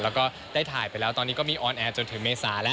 แล้วก็ได้ถ่ายไปแล้วตอนนี้ก็มีออนแอร์จนถึงเมษาแล้ว